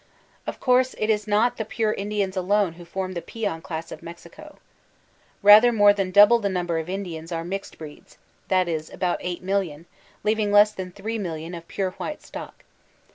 Of course, it is not the pure Indians alone who fono the peon dass of Mexico. Rather more than double the number of Indians are mixed breeds ; that is, about 8,ooor ooQ, leaving less than 3/x)0,ooo of pure white stock.